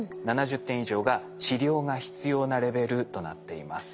７０点以上が治療が必要なレベルとなっています。